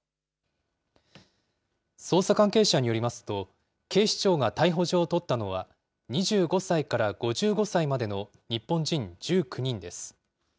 捜査関係者によりますと、警視庁が逮捕状を取ったのは、２５歳から５５歳までの日本人１９人です。